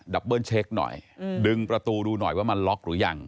ับเบิ้ลเช็คหน่อยดึงประตูดูหน่อยว่ามันล็อกหรือยัง